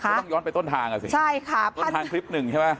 ก็ต้องย้อนไปต้นทางอ่ะสิต้นทางคลิปหนึ่งใช่ไหม